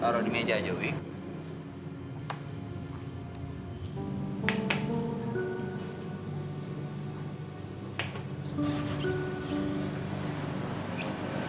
taruh di meja aja wik